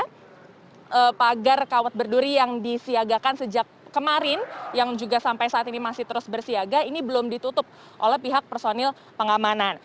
karena pagar kawat berduri yang disiagakan sejak kemarin yang juga sampai saat ini masih terus bersiaga ini belum ditutup oleh pihak personil pengamanan